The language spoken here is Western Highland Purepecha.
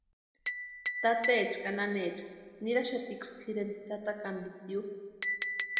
Tateecha ka nanecha niraxatiksï tʼireni tata kampitio.